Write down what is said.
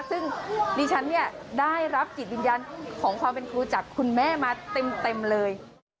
ซึ่งดิฉันเนี่ยได้รับจิตวิญญาณของความเป็นครูจากคุณแม่มาเต็มเลย